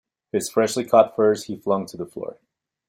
His freshly caught furs he flung to the floor.